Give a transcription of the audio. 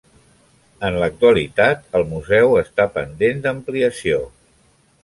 En l'actualitat el museu està pendent d'ampliació.